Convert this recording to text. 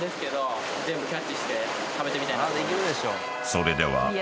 ［それでは］